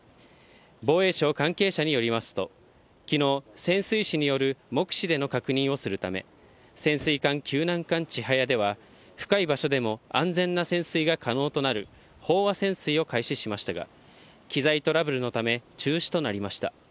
防衛省関係者によりますと、きのう、潜水士による目視での確認をするため、潜水艦救難艦ちはやでは、深い場所でも安全な潜水が可能となる飽和潜水を開始しましたが、機材トラブルのため、中止となりました。